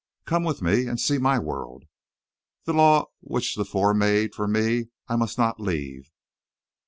"Come with me, and see my world!" "The law which the four made for me I must not leave!"